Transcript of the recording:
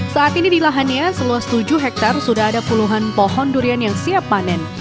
saat ini di lahannya seluas tujuh hektare sudah ada puluhan pohon durian yang siap panen